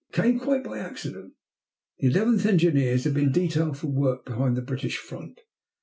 It came quite by accident. The 11th Engineers had been detailed for work behind the British front.